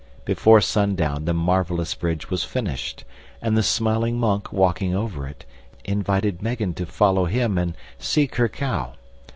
Before sundown the marvellous bridge was finished, and the smiling monk, walking over it, invited Megan to follow him and seek her cow.